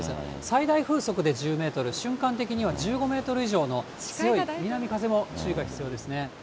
最大風速で１０メートル、瞬間的には１５メートル以上の南風も注意が必要ですね。